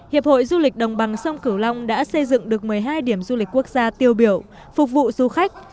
hiệp hội du lịch đồng bằng sông cửu long đã xây dựng được một mươi hai điểm du lịch quốc gia tiêu biểu phục vụ du khách